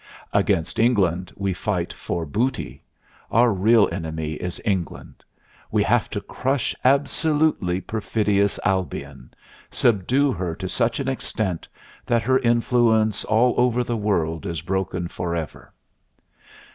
Against England we fight for booty. Our real enemy is England. We have to ... crush absolutely perfidious Albion ... subdue her to such an extent that her influence all over the world is broken forever.